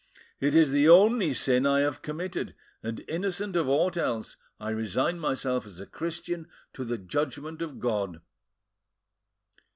It is the only sin I have committed, and, innocent of aught else, I resign myself as a Christian to the judgment of God."